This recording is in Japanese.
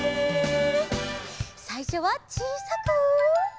さいしょはちいさく。